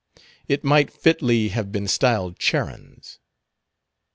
It might fitly have been styled Charon's.